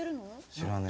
知らねえ。